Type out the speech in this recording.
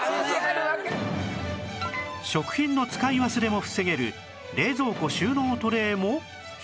食品の使い忘れも防げる冷蔵庫収納トレーも１１０円